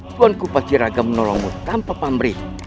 tuan kupati raga menolongmu tanpa pamrih